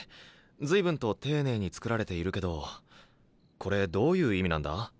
随分と丁寧に作られているけどこれどういう意味なんだ？